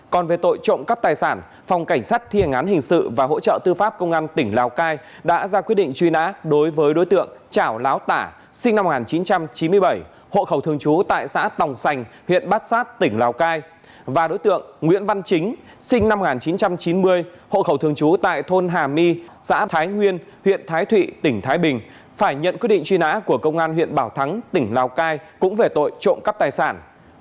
còn về tội trộm cấp tài sản phòng cảnh sát thiên ngán hình sự và hỗ trợ tư pháp công an tỉnh lào cai đã ra quyết định truy nã đối với đối tượng trảo láo tả sinh năm một nghìn chín trăm chín mươi bảy hộ khẩu thường trú tại xã tòng xanh huyện bát sát tỉnh lào cai và đối tượng nguyễn văn chính sinh năm một nghìn chín trăm chín mươi hộ khẩu thường trú tại thôn hà my xã thái nguyên huyện thái thụy tỉnh thái bình phải nhận quyết định truy nã của công an huyện bảo thắng tỉnh lào cai cũng về tội trộm cấp tài sản